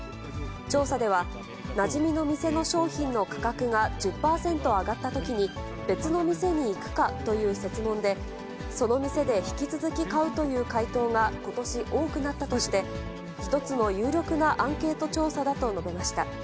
調査では、なじみの店の商品の価格が１０％上がったときに、別の店に行くかという設問で、その店で引き続き買うという回答がことし多くなったとして、一つの有力なアンケート調査だと述べました。